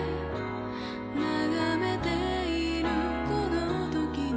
眺めているこの時間に